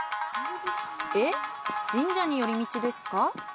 えっ神社に寄り道ですか？